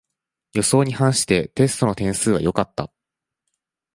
予想に反してテストの点数は良かった